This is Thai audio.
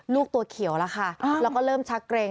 ลูกตัวเขียวแล้วค่ะแล้วก็เริ่มชักเกรง